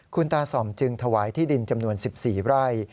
คุณตาส่อมจึงถวายที่ดินจำนวน๑๔ไร่